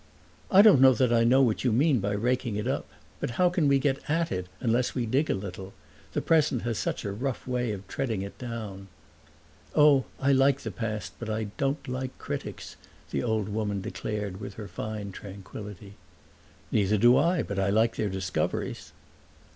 "I don't know that I know what you mean by raking it up; but how can we get at it unless we dig a little? The present has such a rough way of treading it down." "Oh, I like the past, but I don't like critics," the old woman declared with her fine tranquility. "Neither do I, but I like their discoveries."